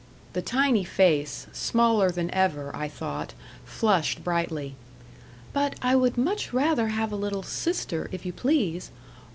The tiny face, smaller than ever, I thought, flushed brightly. "But I would much rather have a little sister, if you please.